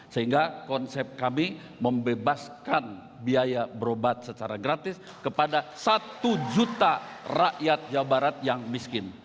sehingga konsep kami membebaskan biaya berobat secara gratis kepada satu juta rakyat jawa barat yang miskin